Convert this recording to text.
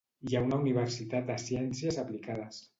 Hi ha una universitat de ciències aplicades.